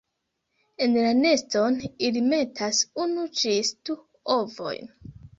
En la neston ili metas unu ĝis du ovojn.